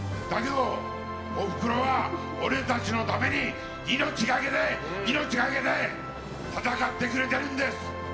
おふくろは、俺たちのために命がけで戦ってくれてるんです。